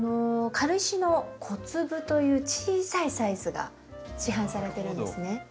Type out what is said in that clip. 軽石の小粒という小さいサイズが市販されてるんですね。